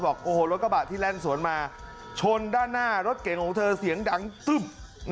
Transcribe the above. บอกโอ้โหรถกระบะที่แล่นสวนมาชนด้านหน้ารถเก่งของเธอเสียงดังตึ้ม